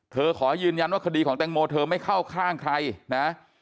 ขอยืนยันว่าคดีของแตงโมเธอไม่เข้าข้างใครนะ